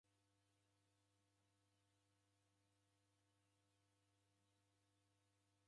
Oghenjwa hospitali uko hali izamie.